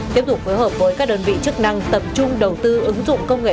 tiếp tục phối hợp với các đơn vị chức năng tập trung đầu tư ứng dụng công nghệ